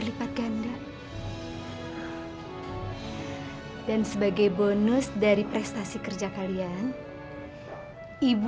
terima kasih ya bu berkat ibu kami bisa melewati cobaan ini bu